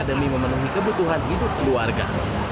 demi memenuhi kebutuhan hidup keluarga